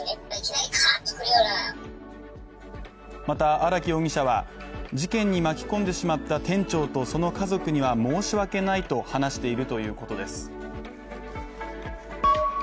また荒木容疑者は、事件に巻き込んでしまった店長とその家族には申し訳ないと話しているということです。